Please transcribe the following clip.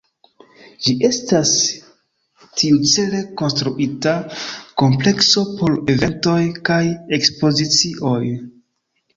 Ĝi estas tiucele konstruita komplekso por eventoj kaj ekspozicioj.